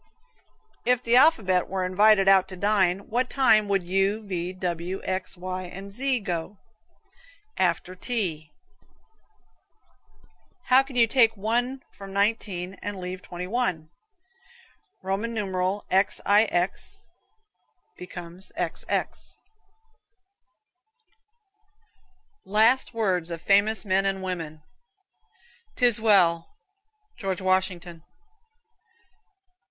If the alphabet were invited out to dine what time would U, V, W, X, Y and Z go? After tea (T). How can you take one from nineteen and leave twenty? XIX XX LAST WORDS OF FAMOUS MEN AND WOMEN. "'Tis well." George Washington.